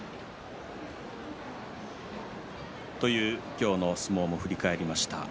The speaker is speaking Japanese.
今日の相撲を振り返りました。